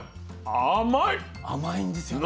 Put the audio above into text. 甘いんですよね。